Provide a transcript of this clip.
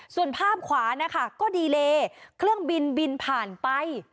ส่วนภาพขวานะคะก็ดีเลเครื่องบินบินผ่านไป